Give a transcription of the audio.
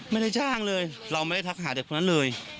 ไม่ได้จ้างเลยเราไม่ได้ทักหาเด็กคนนั้นเลย